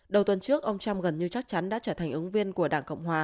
đầu tuần trước ông trump gần như chắc chắn đã trở thành ứng viên của đảng cộng hòa